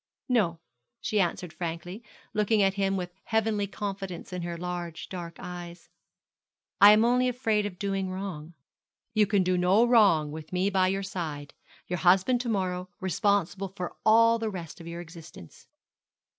no,' she answered, frankly, looking at him with heavenly confidence in her large dark eyes; 'I am only afraid of doing wrong.' 'You can do no wrong with me by your side, your husband to morrow, responsible for all the rest of your existence.'